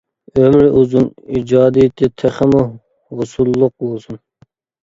ئۆمرى ئۇزۇن، ئىجادىيىتى تېخىمۇ ھوسۇللۇق بولسۇن!